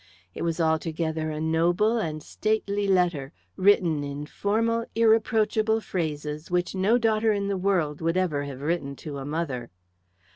It was altogether a noble and stately letter, written in formal, irreproachable phrases which no daughter in the world would ever have written to a mother.